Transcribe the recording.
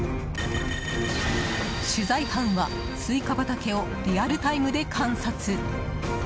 取材班は、スイカ畑をリアルタイムで観察。